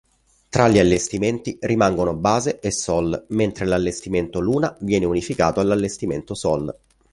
Tra gli allestimenti rimangono Base e Sol, mentre l’allestimento Luna viene unificato all’allestimento Sol.